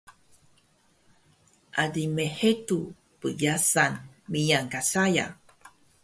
Ali mhedu pnyasan miyan ka saya